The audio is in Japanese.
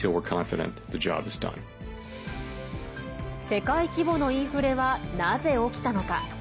世界規模のインフレはなぜ起きたのか。